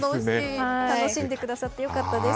楽しんでくださって良かったです。